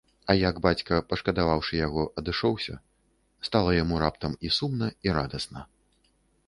А як бацька, пашкадаваўшы яго, адышоўся, стала яму раптам і сумна, і радасна.